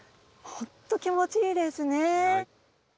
本当気持ちいいですね。